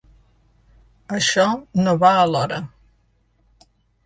Això no va a l'hora.